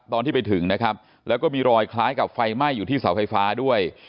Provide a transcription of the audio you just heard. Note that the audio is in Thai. ตอนที่ไปถึงนะครับแล้วก็มีรอยคล้ายกับไฟไหม้อยู่ที่เสาไฟฟ้าด้วย